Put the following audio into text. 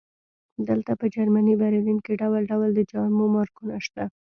دلته په جرمني برلین کې ډول ډول د جامو مارکونه شته